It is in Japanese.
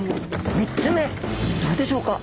３つ目どうでしょうか？